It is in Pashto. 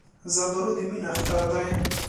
زردالو د مینې اختر دی.